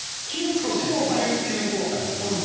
少し急降下にした。